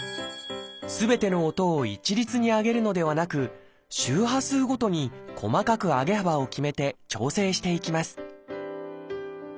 すべての音を一律に上げるのではなく周波数ごとに細かく上げ幅を決めて調整していきます